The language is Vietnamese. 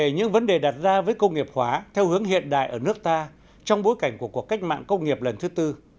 những vấn đề đặt ra với công nghiệp hóa theo hướng hiện đại ở nước ta trong bối cảnh của cuộc cách mạng công nghiệp lần thứ tư